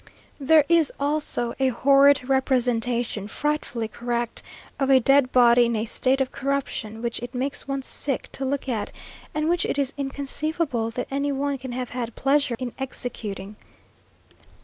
There is also a horrid representation, frightfully correct, of a dead body in a state of corruption, which it makes one sick to look at, and which it is inconceivable that any one can have had pleasure in executing.